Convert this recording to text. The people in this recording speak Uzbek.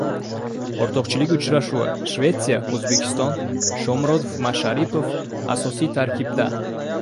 O‘rtoqlik uchrashuvi. Shvesiya - O‘zbekiston. Shomurodov, Masharipov asosiy tarkibda